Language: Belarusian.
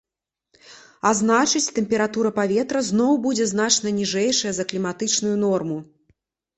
А значыць тэмпература паветра зноў будзе значна ніжэйшая за кліматычную норму.